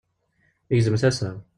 Yegzem tasa-w.